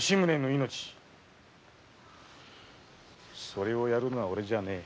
それをやるのはオレじゃねぇ。